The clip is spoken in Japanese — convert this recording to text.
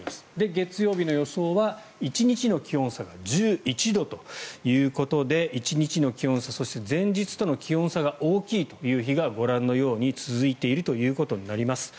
月曜日の予想は１日の気温差が１１度ということで１日の気温差そして前日との気温差が大きい日がご覧のように続いているということになります。